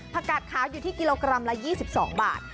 ประกาศค้าอยู่ที่กิโลกรัมละ๒๒บาท